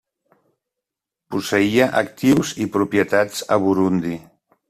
Posseïa actius i propietats a Burundi.